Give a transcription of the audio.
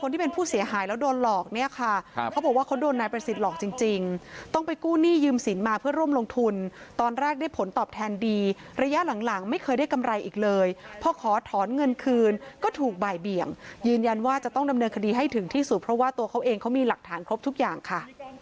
ที่ยืมสินมาเพื่อร่วมลงทุนตอนแรกได้ผลตอบแทนดีระยะหลังไม่เคยได้กำไรอีกเลยพอขอถอนเงินคืนก็ถูกบ่ายเบี่ยงยืนยันว่าจะต้องดำเนินคดีให้ถึงที่สุดเพราะว่าตัวเขาเองเขามีหลักฐานครบทุกอย่างค่ะ